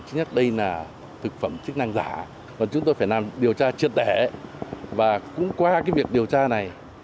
và thực phẩm chức năng giả còn chúng tôi phải làm điều tra truyền tẻ và cũng qua việc điều tra này